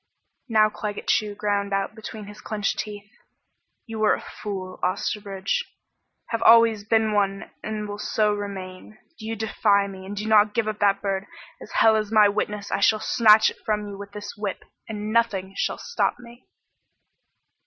Now Claggett Chew ground out between his clenched teeth: "You are a fool, Osterbridge. Have always been one and will so remain. Do you defy me and do not give up that bird, as hell is my witness I shall snatch it from you with this whip, and nothing shall stop me!"